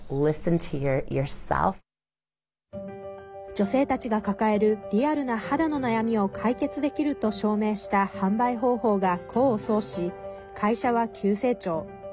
女性たちが抱えるリアルな肌の悩みを解決できると証明した販売方法が功を奏し、会社は急成長。